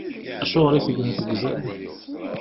Acuɣeṛ i tegneḍ deg uzal?